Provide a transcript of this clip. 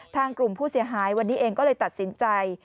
ทางกลุ่มผู้เสียหายวันนี้เองก็เลยตัดสินใจ